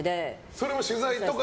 それは取材とかで？